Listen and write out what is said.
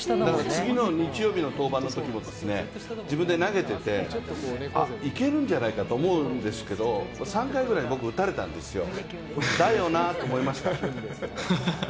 次の日曜日の登板のときも自分で投げていていけるんじゃないかと思うんですけど３回ウラに僕打たれたんですよ。